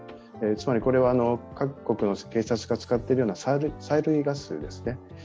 つまりこれは、各国の警察が使ってるような催涙ガスですね。